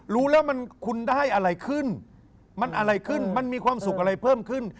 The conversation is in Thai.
รู้แล้วมันคุณได้อะไรขึ้นมันอะไรขึ้นมันมีความสุขอะไรเพิ่มขึ้น